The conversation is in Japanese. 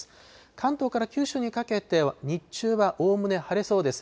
関東から九州にかけては日中はおおむね晴れそうです。